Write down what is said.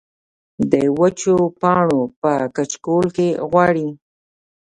د وچو پاڼو پۀ کچکول کې غواړي